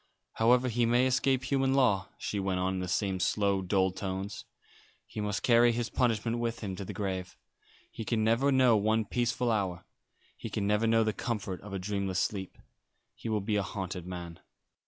"However he may escape human law," she went on, in the same slow, dull tones, "he must carry his punishment with him to the grave. He can never know one peaceful hour. He can never know the comfort of dreamless sleep. He will be a haunted man."